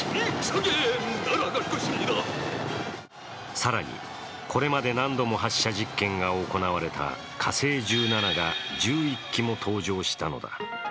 更にこれまで何度も発射実験が行われた火星１７が１１基も登場したのだ。